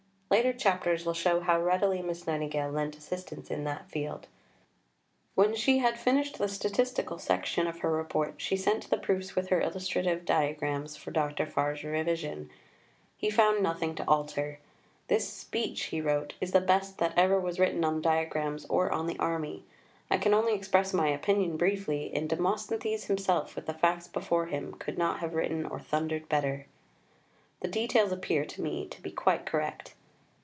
Later chapters will show how readily Miss Nightingale lent assistance in that field. When she had finished the statistical section of her Report, she sent the proofs with her illustrative diagrams for Dr. Farr's revision. He found nothing to alter. "This speech," he wrote, "is the best that ever was written on Diagrams or on the Army. I can only express my Opinion briefly in 'Demosthenes himself with the facts before him could not have written or thundered better.' The details appear to me to be quite correct."